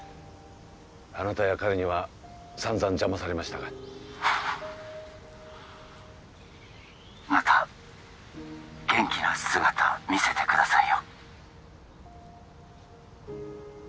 あなたや彼には散々邪魔されましたがフッまた元気な姿見せてくださいよ・